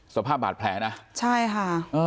สภาพบาดแผลนะใช่ค่ะ